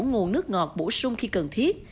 nguồn nước ngọt bổ sung khi cần thiết